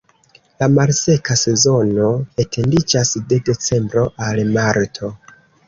La malseka sezono etendiĝas de decembro al marto.